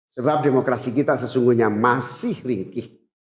sebab demokrasi kita sesungguhnya masih lingkih